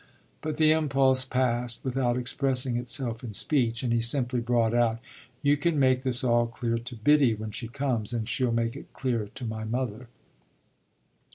But the impulse passed without expressing itself in speech, and he simply brought out; "You can make this all clear to Biddy when she comes, and she'll make it clear to my mother."